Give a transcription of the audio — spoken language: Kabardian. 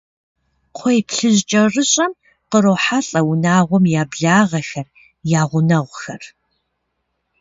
КхъуейплъыжькӀэрыщӀэм кърохьэлӀэ унагъуэм я благъэхэр, я гъунэгъухэр.